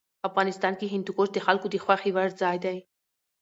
افغانستان کې هندوکش د خلکو د خوښې وړ ځای دی.